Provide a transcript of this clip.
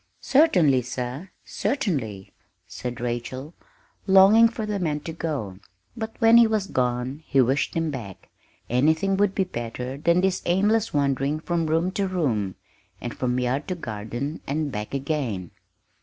"Certainly, sir, certainly," said Rachel, longing for the man to go. But when he was gone, she wished him back anything would be better than this aimless wandering from room to room, and from yard to garden and back again.